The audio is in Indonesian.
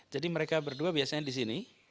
jadi mereka berdua biasanya di sini